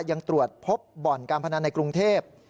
ยังตรวจพบบ่อนการพนันในกรุงเทพ